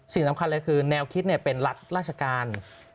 สิ่งสำคัญเลยคือแนวคิดเป็นรัฐราชการ